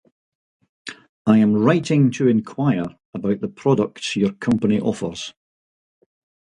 I am writing to inquire about the products your company offers.